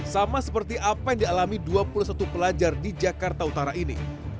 sama seperti apa yang dialami dua puluh satu pelajar di jakarta utara ini